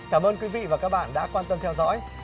cảm ơn quý vị và các bạn đã quan tâm theo dõi